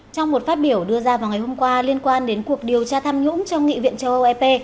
trong một phát biểu đưa ra vào ngày hôm qua liên quan đến cuộc điều tra tham nhũng trong nghị viện châu âu ep